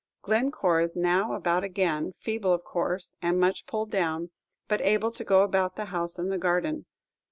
Glencore is now about again, feeble of course, and much pulled down, but able to go about the house and the garden.